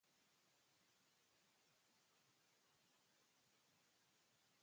Tuvieron cinco hijos, Clementina, Juan, Magdalena, Florencia y Albina.